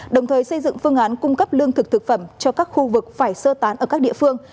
đồng thời xây dựng phương án cung cấp lương thực thực phẩm cho các khu vực phải sơ tán ở các địa phương